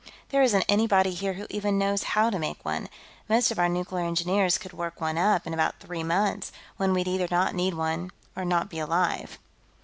"There isn't anybody here who even knows how to make one. Most of our nuclear engineers could work one up, in about three months, when we'd either not need one or not be alive."